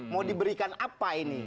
mau diberikan apa ini